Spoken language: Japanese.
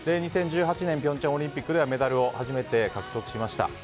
２０１８年平昌オリンピックではメダルを初めて獲得しました。